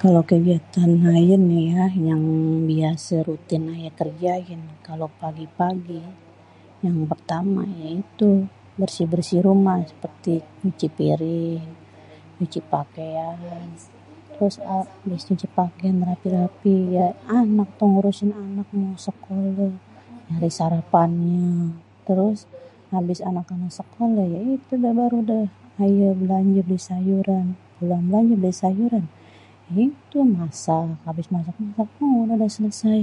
Kalo kegiatan aye nih yah, yang biase rutin aye kerjain kalo pagi-pagi. Yang pertama, ya itu bersih-bersih rumah, seperti nyuci piring, nyuci pakean, terus abis nyuci pakean, rapi-rapi ya ngurusin anak sekoleh, nyari sarapannye. Terus abis anak-anak sekolah ya itu baru deh aye beli sayuran, ya itu masak, abis masak-masak udeh deh, selesai.